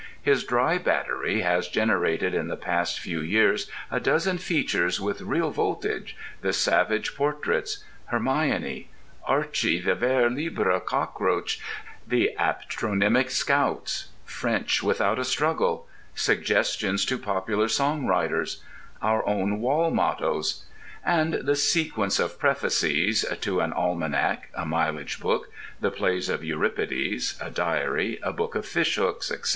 His dry battery has generated in the past few years a dozen features with real voltage—the Savage Portraits, Hermione, Archy the Vers Libre Cockroach, the Aptronymic Scouts, French Without a Struggle, Suggestions to Popular Song Writers, Our Own Wall Mottoes, and the sequence of Prefaces (to an Almanac, a Mileage Book, The Plays of Euripides, a Diary, a Book of Fishhooks, etc.).